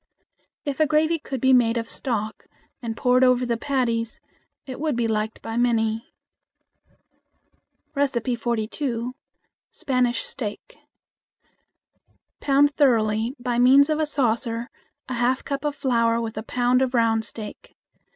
If a gravy could be made of stock and poured over the patties it would be liked by many. 42. Spanish Steak. Pound thoroughly by means of a saucer a half cup of flour with a pound of round steak.